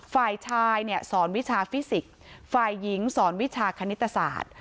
ฝ่ายชายเนี่ยสอนวิชาฟิสิกส์ฝ่ายหญิงสอนวิชาคณิตศาสตร์